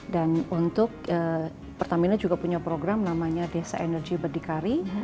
dan untuk pertamina juga punya program namanya desa energy berdikari